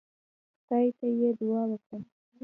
خدای ته يې دعا وکړه.